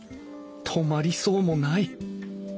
止まりそうもない。